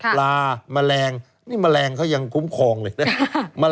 แมลงนี่แมลงเขายังคุ้มครองเลยนะ